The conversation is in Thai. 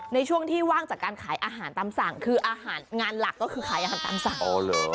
ในช่วงที่ว่างจากการขายอาหารตามสั่งในงานหลักขายอาหารตามสั่ง